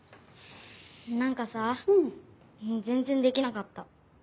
何かさ全然できなかった。